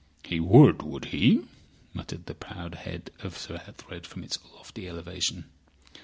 "He would, would he?" muttered the proud head of Sir Ethelred from its lofty elevation.